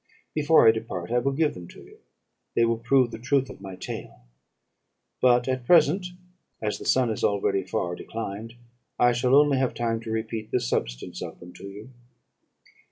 Before I depart, I will give them to you, they will prove the truth of my tale; but at present, as the sun is already far declined, I shall only have time to repeat the substance of them to you.